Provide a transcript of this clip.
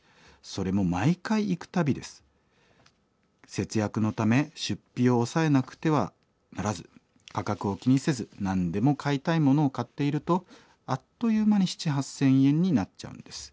節約のため出費を抑えなくてはならず価格を気にせず何でも買いたいものを買っているとあっという間に７，０００８，０００円になっちゃうんです。